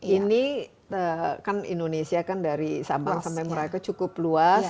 ini kan indonesia kan dari sabang sampai merauke cukup luas